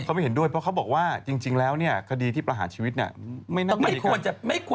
เขาบอกว่าคดีที่ประหารชีวิตนี่ไม่แน่ในการ